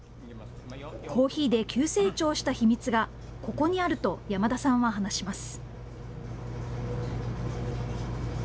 コーヒーで急成長した秘密がここにあると山田さんは話します。